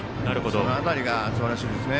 その辺りがすばらしいですね。